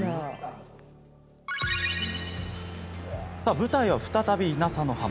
舞台は再び稲佐の浜。